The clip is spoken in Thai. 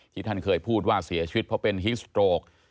ท่านเคยพูดว่าเสียชีวิตเพราะเป็นฮิสโตรก